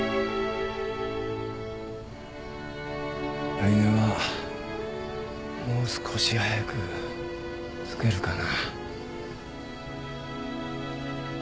来年はもう少し早く着けるかな。